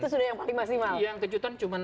itu sudah yang paling maksimal yang kejutan cuma